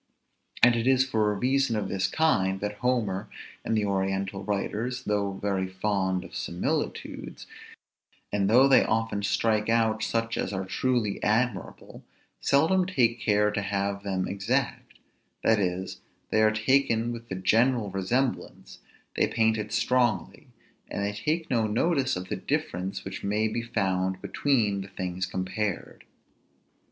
And it is for a reason of this kind, that Homer and the oriental writers, though very fond of similitudes, and though they often strike out such as are truly admirable, seldom take care to have them exact; that is, they are taken with the general resemblance, they paint it strongly, and they take no notice of the difference which may be found between the things compared.